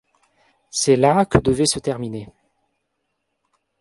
C’est là que devait se terminer.